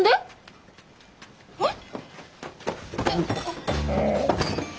えっ！？